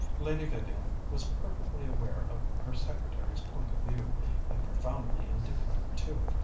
Lady Vivian was perfectly aware of her secretary's point of view, and profoundly indifferent to it.